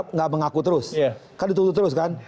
tidak mengaku terus kan ditutup terus kan